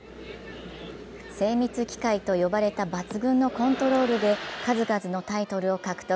精密機械と呼ばれた抜群のコントロールで数々のタイトルを獲得。